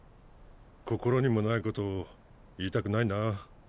心にもないこと言いたくないなぁ。